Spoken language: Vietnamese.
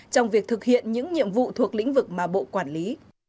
trong việc thực hiện những nhiệm vụ thuộc lĩnh vực mà bộ quản lý